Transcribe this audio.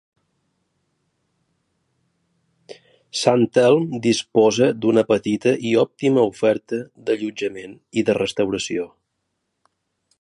Sant Elm disposa d'una petita i òptima oferta d'allotjament i de restauració.